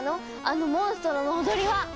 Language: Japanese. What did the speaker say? あのモンストロの踊りは！